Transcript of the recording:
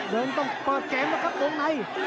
เดินต้องเปิดแก่งนะครับตรงใน